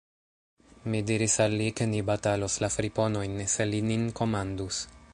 Mi diris al li, ke ni batalos la friponojn, se li nin komandus.